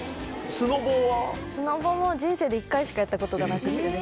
スノボーも人生で１回しかやったことがなくってですね。